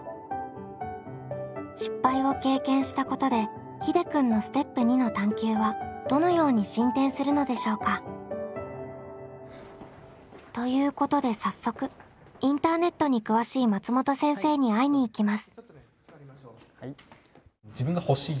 失敗を経験したことでひでくんのステップ２の探究はどのように進展するのでしょうか？ということで早速インターネットに詳しい松本先生に会いに行きます。